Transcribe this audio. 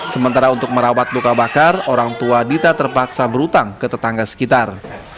sementara untuk merawat luka bakar orang tua dita terpaksa berhutang ke tetangga sekitar